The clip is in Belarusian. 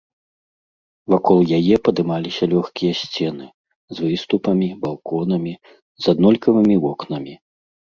Вакол яе падымаліся лёгкія сцены, з выступамі, балконамі, з аднолькавымі вокнамі.